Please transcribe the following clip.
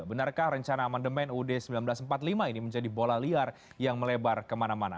benarkah rencana amandemen uud seribu sembilan ratus empat puluh lima ini menjadi bola liar yang melebar kemana mana